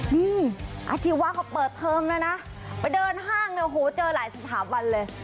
นี่อาชีวะเขาเปิดเทอมแล้วนะไปเดินห้างเนี่ยโหเจอหลายสถาบันเลย